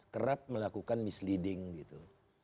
kerap melakukan misleading gitu